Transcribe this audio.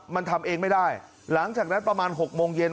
มันทำเองไม่ได้หลังจากนั้นประมาณ๖โมงเย็น